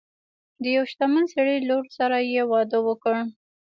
د یو شتمن سړي لور سره یې واده وکړ.